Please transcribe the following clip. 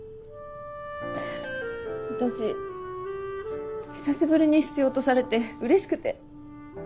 私久しぶりに必要とされてうれしくて。